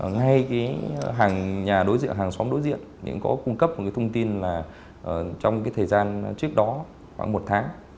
ngay nhà hàng xóm đối diện cũng có cung cấp thông tin là trong thời gian trước đó khoảng một tháng